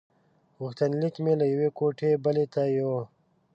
غوښتنلیک مې له یوې کوټې بلې ته یووړ.